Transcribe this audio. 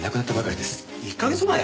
１か月前？